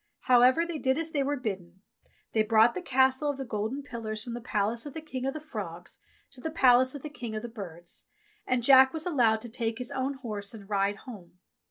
However, they did as they were bidden ; they brought the Castle of the golden pillars from the palace of the King of the Frogs to the palace of the King of the Birds, and Jack was allowed to take his own horse and ride home.